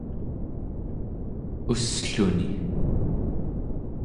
ussluni